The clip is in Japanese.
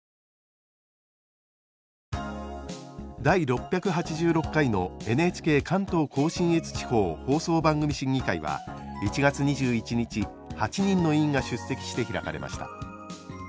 第６８６回のＮＨＫ関東甲信越地方放送番組審議会は１月２１日８人の委員が出席して開かれました。